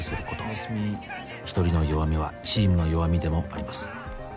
おやすみ「１人の弱みはチームの弱みでもあります」